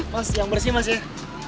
mas yang bersih mas ya